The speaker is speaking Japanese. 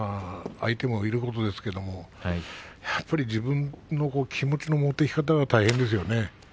相手もいることですけれどもやっぱり自分の気持ちの持っていき方は大変ですよね。